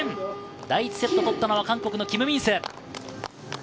第１セットを取ったのは韓国のキム・ミンス。